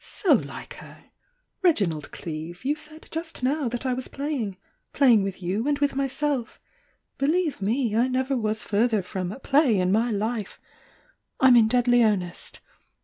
"So like her! Reginald Cleeve, you said just now that I was playing — playing with you and with myself. Believe me, I never was further M ' I 862 THE YOUNG DIANA from 'play' in my life! I'm in dfadly earnest!